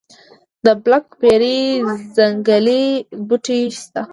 د بلک بیري ځنګلي بوټي شته؟